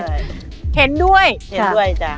เห็นด้วยเห็นด้วยจ้ะ